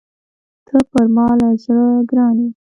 ته پر ما له زړه ګران يې!